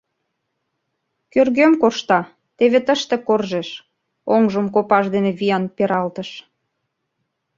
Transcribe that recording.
— Кӧргем коршта, теве тыште коржеш, — оҥжым копаж дене виян пералтыш.